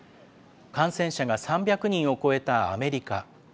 感染者が３００人を超えたアメリカ。